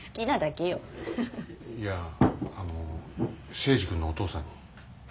いやあの征二君のお父さんに。